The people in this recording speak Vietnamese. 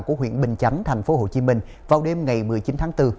của huyện bình chánh tp hcm vào đêm ngày một mươi chín tháng bốn